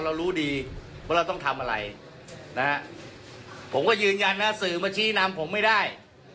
เรารู้ดีว่าเราต้องทำอะไรนะฮะผมก็ยืนยันนะสื่อมาชี้นำผมไม่ได้